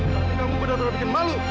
tapi kamu benar benar bikin malu